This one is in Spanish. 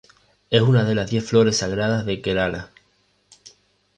Es una de las Diez Flores Sagradas de Kerala.